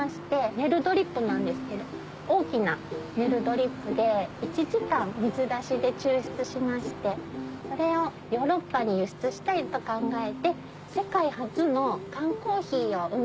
ネルドリップなんですけど大きなネルドリップで１時間水出しで抽出しましてそれをヨーロッパに輸出したいと考えて。